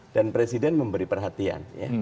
dan presiden memberi perhatian